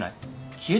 消えた？